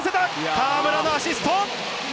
河村のアシスト！